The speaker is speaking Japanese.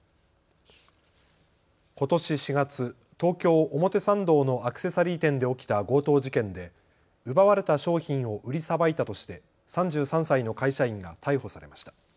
ことし４月、東京表参道のアクセサリー店で起きた強盗事件で奪われた商品を売りさばいたとして３３歳の会社員が逮捕されました。